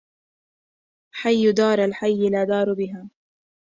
حي دار الحي لا دار بها